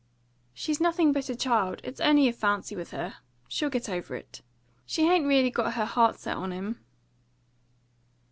"She's nothing but a child. It's only a fancy with her. She'll get over it. She hain't really got her heart set on him."